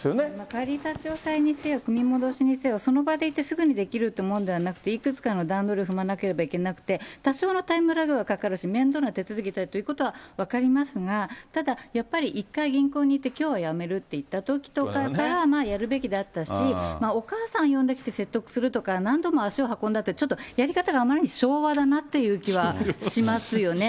仮差し押さえにせよ、組み戻しにせよ、その場で行って、すぐできるものじゃなくて、いくつかの段取りを踏まなければいけなくて、多少のタイムラグはかかるし、面倒な手続きだということは分かりますが、ただやっぱり一回銀行に行って、きょうはやめると言ったときから、やるべきであったし、お母さん呼んできて説得するとか、何度も足を運んだって、ちょっとやり方があまりに昭和だなっていう気はしますよね。